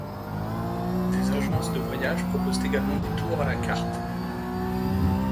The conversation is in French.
Des agences de voyages proposent également des tours à la carte.